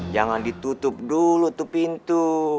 jangan ditutup dulu itu pintu